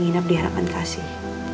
inap di harapan kasih